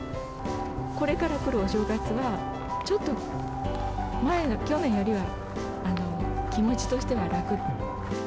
これからくるお正月は、ちょっと前の、去年よりは気持ちとしては楽。